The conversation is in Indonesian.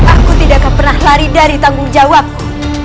aku tidak akan pernah lari dari tanggung jawabku